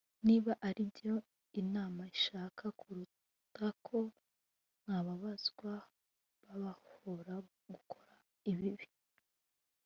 niba aribyo Imana ishaka, kuruta ko mwababazwa babahora gukora ibibi.